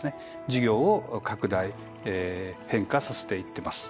事業を拡大変化させていってます。